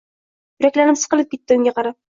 Yuraklarim siqilib ketadi, unga qarab!